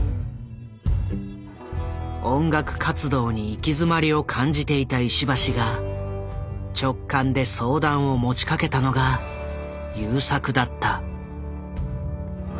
音楽活動に行き詰まりを感じていた石橋が直感で相談を持ちかけたのが優作だった。